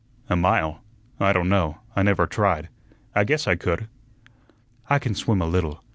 "A mile? I don't know. I never tried. I guess I could." "I can swim a little.